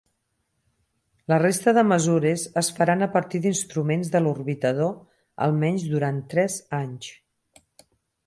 La resta de mesures es faran a partir d'instruments de l'orbitador almenys durant tres anys.